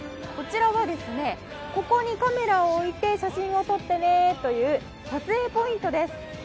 こちらは、ここにカメラを置いて写真を撮ってねという撮影ポイントです。